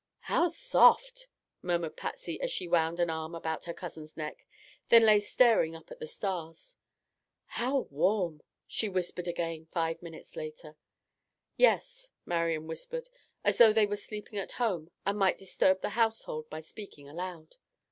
"How soft!" murmured Patsy as she wound an arm about her cousin's neck, then lay staring up at the stars. "How warm!" she whispered again five minutes later. "Yes," Marian whispered, as though they were sleeping at home and might disturb the household by speaking aloud.